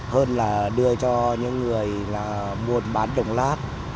hơn là đưa cho những người là buôn bán đồng lát